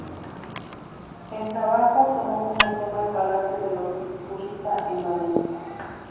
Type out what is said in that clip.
El trabajo tomó como tema el palacio de los Iturriza en Valencia.